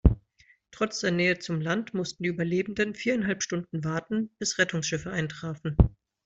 Trotz der Nähe zum Land mussten die Überlebenden viereinhalb Stunden warten, bis Rettungsschiffe eintrafen.